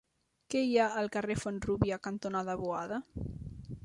Què hi ha al carrer Font-rúbia cantonada Boada?